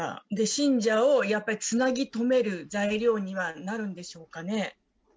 信者をやっぱつなぎとめる材料にはなるんでしょうかね。